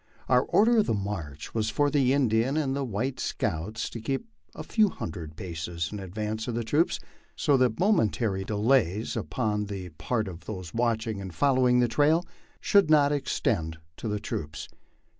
Our order of march was for the Indian and white scouts to keep a few hundred paces in advance of the troops, so that momentary delays upon the part of those watching and following the trail should not extend to the troops.